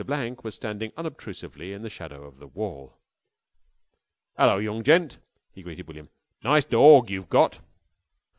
Blank was standing unobtrusively in the shadow of the wall. "'Ello, young gent," he greeted William, "nice dorg you've got."